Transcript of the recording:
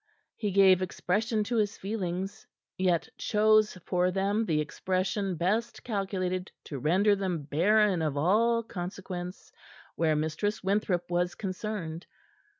He gave expression to his feelings, yet chose for them the expression best calculated to render them barren of all consequence where Mistress Winthrop was concerned.